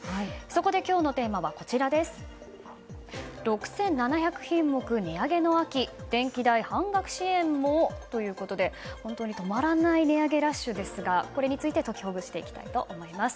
そこで、今日のテーマは６７００品目値上げの秋電気代半額支援も？ということで本当に止まらない値上げラッシュですがこれについてときほぐしていきたいと思います。